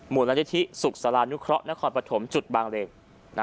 มูลละทิศศุกรณ์สารานุเคราะห์นครปฐมจุดบางเรย์อะ